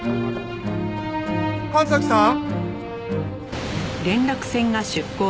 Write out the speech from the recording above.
神崎さん？